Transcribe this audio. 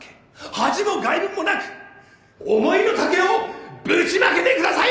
恥も外聞もなく思いの丈をブチまけてください！